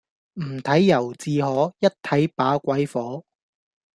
唔睇由自可,一睇把鬼火